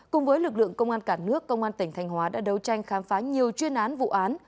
cùng với lực lượng công an cả nước công an tỉnh thanh hóa đã đấu tranh khám phá nhiều chuyên án vụ án